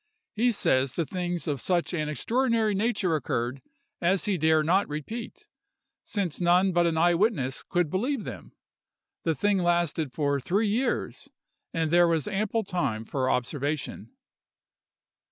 He says that things of such an extraordinary nature occurred as he dare not repeat, since none but an eye witness could believe them. The thing lasted for three years, and there was ample time for observation.